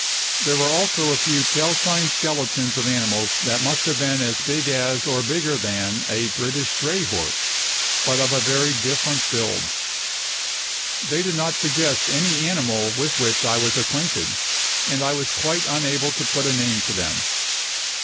There were also a few calcined skeletons of animals that must have been as big as or bigger than a British dray horse, but of very different build. They did not suggest any animal with which I was acquainted, and I was quite unable to put a name to them.